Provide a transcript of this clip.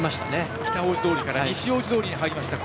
北大路通から西大路通に入りました。